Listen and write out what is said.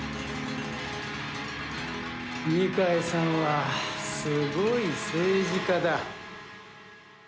二階さんは、すごい政治家だ。